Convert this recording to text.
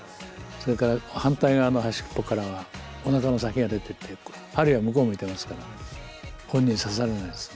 それから反対側の端っこからはおなかの先が出てて針が向こう向いてますから本人刺されないで済む。